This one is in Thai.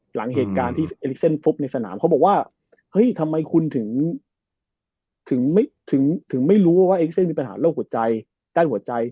หลังเหตุการณ์ที่เอลิเซนฟุบในสนามเขาบอกว่าเฮ้ยทำไมคุณถึงไม่รู้ว่าเอ็กเซนมีปัญหาโรคหัวใจใกล้หัวใจ